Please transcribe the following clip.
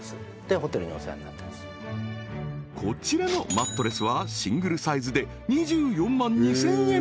こちらのマットレスはシングルサイズで２４万２０００円